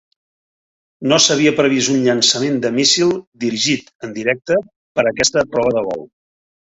No s'havia previst un llançament de míssil dirigit en directe per a aquesta prova de vol.